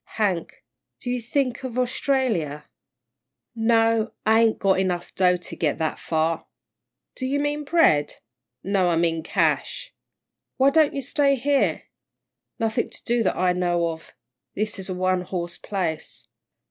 "Hank, do you think of Orstralia?" "No, I ain't got dough enough to get that far." "Do you mean bread?" "No, I mean cash." "Why don't you stay here?" "Nothing to do that I know of. This is a one horse place."